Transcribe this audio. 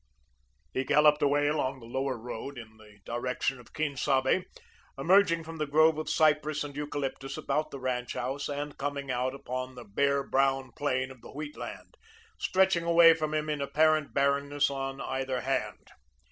He galloped away along the Lower Road, in the direction of Quien Sabe, emerging from the grove of cypress and eucalyptus about the ranch house, and coming out upon the bare brown plain of the wheat land, stretching away from him in apparent barrenness on either hand.